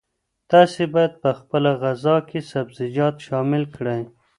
تاسي باید په خپله غذا کې سبزیجات شامل کړئ.